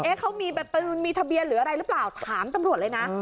เขามีปืนมีทะเบียนหรืออะไรหรือเปล่าถามตำรวจเลยนะ